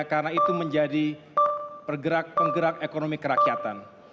karena itu menjadi pergerak penggerak ekonomi kerakyatan